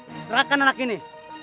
diserahkan anak ini